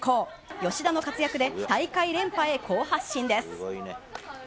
吉田の活躍で、大会連覇へ好発進です。